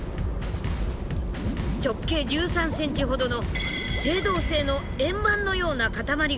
直径１３ｃｍほどの青銅製の円盤のような塊が眠っていた。